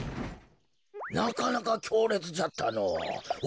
なかなかきょうれつじゃったのお。